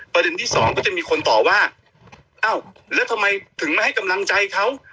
ที่สองก็จะมีคนตอบว่าอ้าวแล้วทำไมถึงไม่ให้กำลังใจเขา